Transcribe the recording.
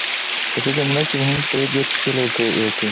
که ښځه مړه شي، وهونکی سړی دیرش شِکِل ورکړي.